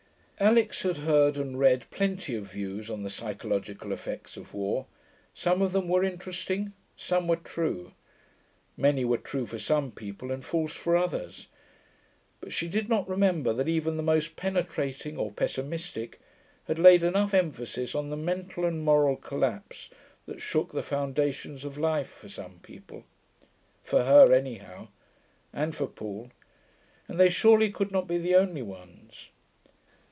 Alix had heard and read plenty of views on the psychological effects of war; some of them were interesting, some were true; many were true for some people and false for others; but she did not remember that even the most penetrating (or pessimistic) had laid enough emphasis on the mental and moral collapse that shook the foundations of life for some people. For her, anyhow, and for Paul; and they surely could not be the only ones.